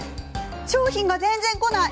商品が全然こない！